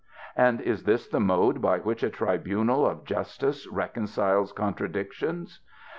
And is this the mode by which a tribunal of justice reconciles contradictions